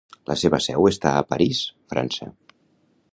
La seva seu està a París, França.